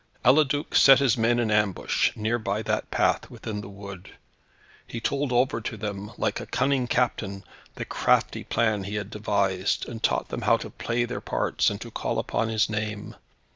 Eliduc set his men in ambush, near by that path, within the wood. He told over to them, like a cunning captain, the crafty plan he had devised, and taught them how to play their parts, and to call upon his name.